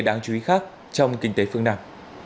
đáng chú ý khác trong kinh tế phương nam